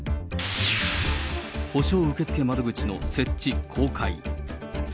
補償受付窓口の設置・公開。